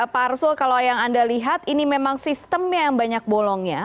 pak arsul kalau yang anda lihat ini memang sistemnya yang banyak bolongnya